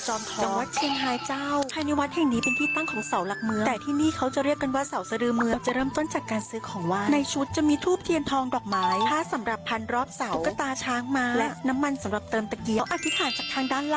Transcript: โอ้โหอธิบายความได้ชัดเจนจริง